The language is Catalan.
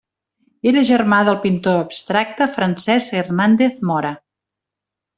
Era germà del pintor abstracte Francesc Hernández Mora.